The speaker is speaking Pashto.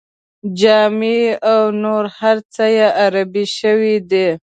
جامې او نور هر څه یې عربي شوي دي.